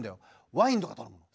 ワインとか頼むの。